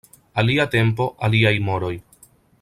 Alia tempo, aliaj moroj.